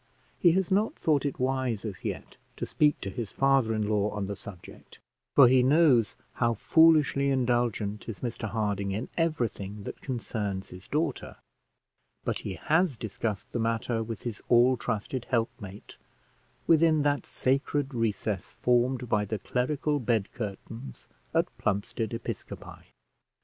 He has not thought it wise as yet to speak to his father in law on the subject, for he knows how foolishly indulgent is Mr Harding in everything that concerns his daughter; but he has discussed the matter with his all trusted helpmate, within that sacred recess formed by the clerical bed curtains at Plumstead Episcopi.